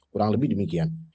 kurang lebih demikian